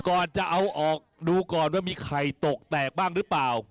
ก่อนจะเอาออกดูก่อนว่ามีไข่ตกแตกบ้างหรือเปล่า